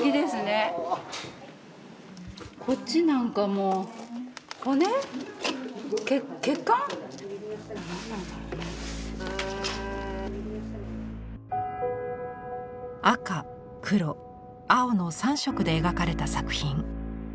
こっちなんかもう赤黒青の３色で描かれた作品。